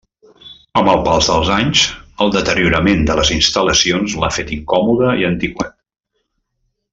Amb el pas dels anys el deteriorament de les instal·lacions l'ha fet incòmode i antiquat.